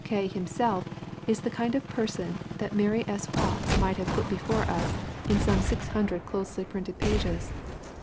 K. himself is the kind of a person that Mary S. Watts might have put before us in some 600 closely printed pages.